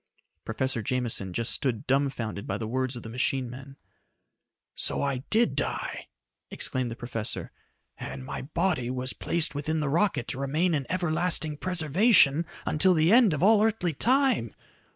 Professor Jameson just stood dumfounded by the words of the machine man. "So I did die!" exclaimed the professor. "And my body was placed within the rocket to remain in everlasting preservation until the end of all earthly time!